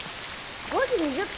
５時２０分？